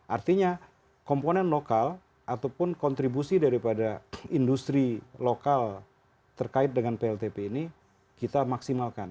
artinya komponen lokal ataupun kontribusi daripada industri lokal terkait dengan pltp ini kita maksimalkan